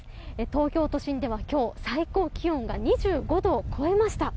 東京都心では今日最高気温が２５度を超えました。